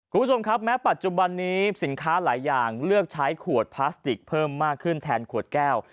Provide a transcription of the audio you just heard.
คุณผู้ชมครับแม้ปัจจุบันนี้สินค้าหลายอย่างเลือกใช้ขวดพลาสติกเพิ่มมากขึ้นแทนขวดแก้ว